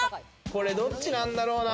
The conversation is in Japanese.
これどっちなんだろうな？